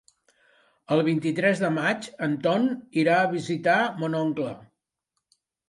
El vint-i-tres de maig en Ton irà a visitar mon oncle.